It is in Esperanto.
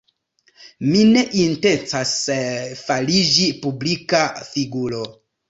Mi ne intencas fariĝi publika figuro.